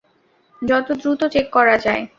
যত দ্রুত চেক করা যায়!